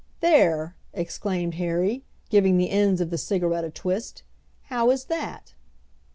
"There!" exclaimed Harry, giving the ends of the cigarette a twist. "How is that?"